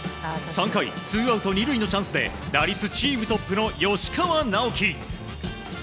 ３回、ツーアウト２塁のチャンスで打率チームトップの吉川尚輝。